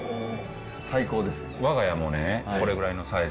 最高ですね。